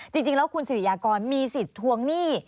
จริงแล้วคุณสิริยากรมีสิทธิ์ทวงหนี้